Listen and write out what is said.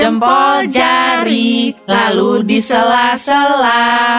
jempol jari lalu disela sela